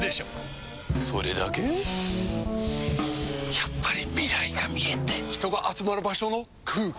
やっぱり未来が見えて人が集まる場所の空気！